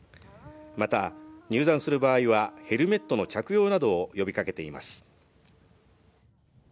また、入山する場合は、ヘルメットの着用などを呼びかけています。